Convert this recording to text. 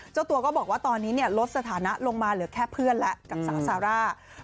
เจ้าตัวก็บอกว่าตอนนี้ลดสถานะลงมาเหลือแค่เพื่อนแล้วกับสาวซาร่า